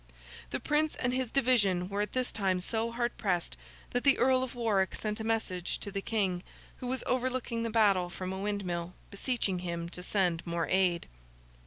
The Prince and his division were at this time so hard pressed, that the Earl of Warwick sent a message to the King, who was overlooking the battle from a windmill, beseeching him to send more aid.